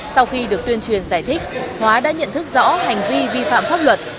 sau khi được tuyên truyền giải thích hóa đã nhận thức rõ hành vi vi phạm pháp luật